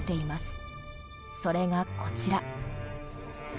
それがこちら。